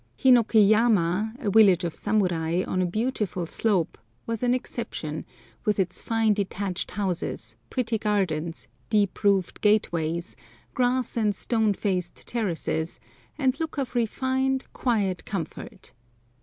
Hinokiyama, a village of samurai, on a beautiful slope, was an exception, with its fine detached houses, pretty gardens, deep roofed gateways, grass and stone faced terraces, and look of refined, quiet comfort.